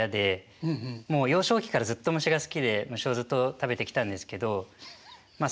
もう幼少期からずっと虫が好きで虫をずっと食べてきたんですけどまあ